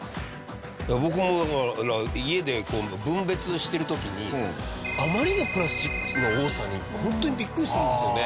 僕も家で分別してる時にあまりのプラスチックの多さにホントにビックリするんですよね。